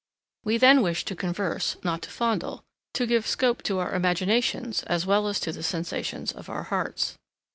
We then wish to converse, not to fondle; to give scope to our imaginations, as well as to the sensations of our hearts.